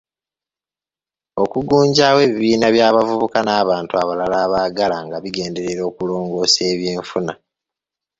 Okugunjawo ebibiina by'abavubuka n'abantu abalala abaagala nga bigenderera okulongoosa eby'enfuna.